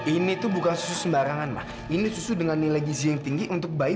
ini tuh bukan susu sembarangan ini susu dengan nilai gizi yang tinggi untuk bayi